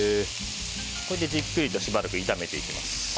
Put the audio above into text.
これでじっくりとしばらく炒めていきます。